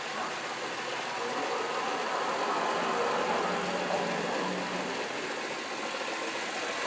Luego aparece en la reunión dorada donde discute con otros santos sobre Aioria.